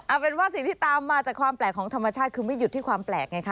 เอาเป็นว่าสิ่งที่ตามมาจากความแปลกของธรรมชาติคือไม่หยุดที่ความแปลกไงคะ